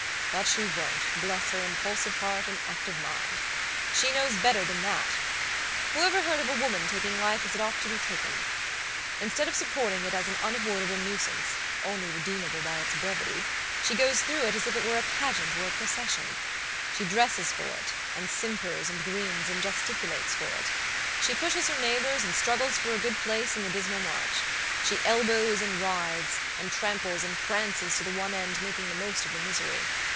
But she won't, bless her impulsive heart and active mind! She knows better than that. Who ever heard of a woman taking life as it ought to be taken? Instead of supporting it as an unavoidable nuisance, only redeemable by its brevity, she goes through it as if it were a pageant or a procession. She dresses for it, and simpers and grins, and gesticulates for it. She pushes her neighbors, and struggles for a good place in the dismal march; she elbows, and writhes, and tramples, and prances to the one end of making the most of the misery.